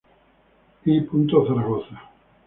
I. Zaragoza.